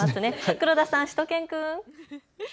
黒田さん、しゅと犬くん。